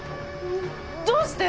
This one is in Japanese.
どうして？